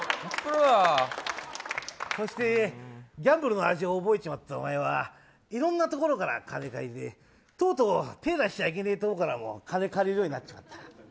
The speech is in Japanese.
そして、ギャンブルの味を覚えてしまったお前はいろんなところから金が出てとうとう、手を出しちゃいけないところからも金、借りるようになっちまった。